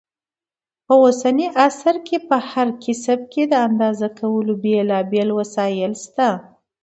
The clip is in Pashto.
په اوسني عصر کې په هر کسب کې د اندازه کولو بېلابېل وسایل شته.